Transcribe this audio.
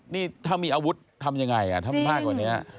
นี่ถ้ามีอาวุธทำยังไงถ้ามันมากกว่านี้